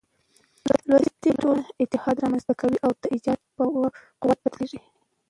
لوستې ټولنه اتحاد رامنځ ته کوي او د ايجاد په قوت بدلېږي.